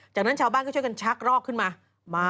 จากนั้นชาวบ้านก็ช่วยกันชักรอกขึ้นมา